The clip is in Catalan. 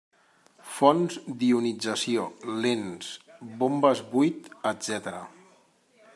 Fonts d'ionització, lents, bombes buit, etcètera.